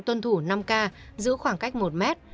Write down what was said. tuân thủ năm ca giữ khoảng cách một mét